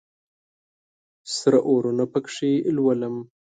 سره اورونه پکښې لولم